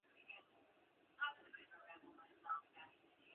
Daugherty's characteristic response to statements made by Indians.